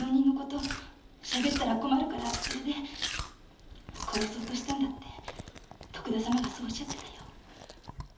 「しゃべったら困るからそれで殺そうとしたんだ」って徳田様がそうおっしゃってたよ。